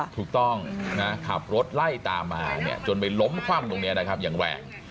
ถูกต้องนะขับรถไล่ตามมาจนไปล้มคว่ำตรงนี้นะครับอย่างแรง